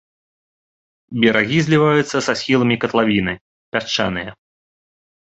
Берагі зліваюцца са схіламі катлавіны, пясчаныя.